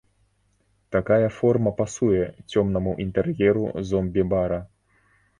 Такая форма пасуе цёмнаму інтэр'еру зомбі-бара.